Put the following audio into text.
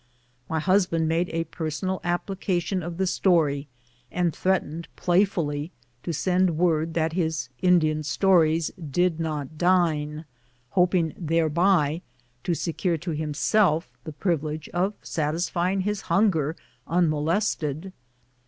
My husband made a personal application of the story, and threatened, playfully, to send word that his Indian stories did not dine, hoping thereby to secure to himself the privilege of satisfying his hunger unmo lested.